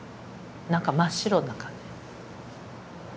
何か真っ白な感じ。